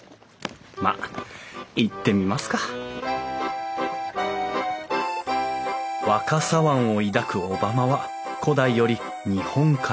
まあ行ってみますか若狭湾を抱く小浜は古代より日本海の玄関口。